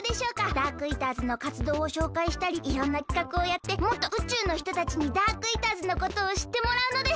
ダークイーターズのかつどうをしょうかいしたりいろんなきかくをやってもっとうちゅうのひとたちにダークイーターズのことをしってもらうのです。